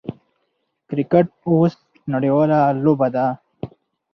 کرکټ اوس نړۍواله لوبه ده.